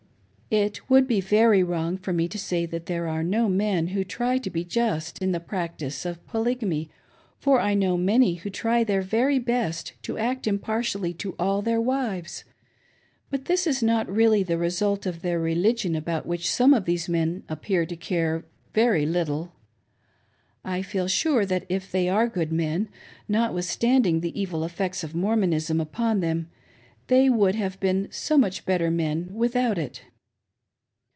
It would be very wrong for me to say that there are no men who try to be just in the practice of Polygamy, for I know many who try their very best to act impartially to all their wives, but this is not really the result of their religion about which some of these men appear to care very little. I feel sure that if they are good men, notwithstanding the evil effects of Mormonism upon them, they would have been much better men without it.